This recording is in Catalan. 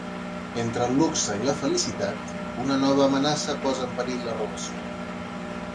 Entre el luxe i la felicitat, una nova amenaça posa en perill la relació.